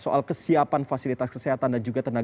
soal kesiapan fasilitas kesehatan dan juga tindakan